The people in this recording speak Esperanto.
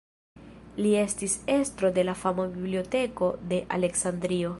Li estis estro de la fama Biblioteko de Aleksandrio.